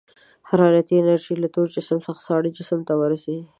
حرارتي انرژي له تود جسم څخه ساړه جسم ته ورځي.